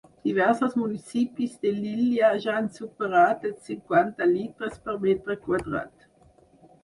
Diversos municipis de l’illa ja han superat els cinquanta litres per metre quadrat.